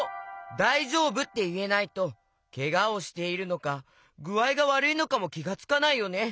「だいじょうぶ？」っていえないとけがをしているのかぐあいがわるいのかもきがつかないよね。